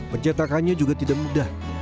pencatakannya juga tidak mudah